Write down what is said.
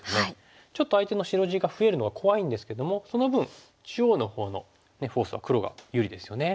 ちょっと相手の白地が増えるのが怖いんですけどもその分中央のほうのフォースは黒が有利ですよね。